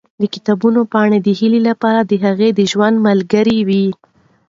د کتابونو پاڼې د هیلې لپاره د هغې د ژوند ملګرې وې.